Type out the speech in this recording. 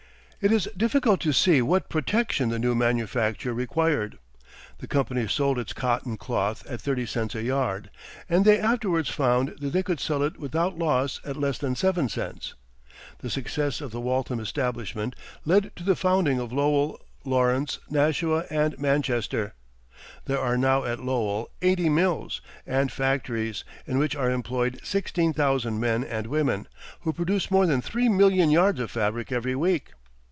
It is difficult to see what protection the new manufacture required. The company sold its cotton cloth at thirty cents a yard, and they afterwards found that they could sell it without loss at less than seven cents. The success of the Waltham establishment led to the founding of Lowell, Lawrence, Nashua, and Manchester. There are now at Lowell eighty mills and factories, in which are employed sixteen thousand men and women, who produce more than three million yards of fabric every week.